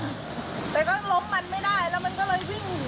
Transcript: แต่ก็ล้มมันไม่ได้แล้วมันก็เลยวิ่ง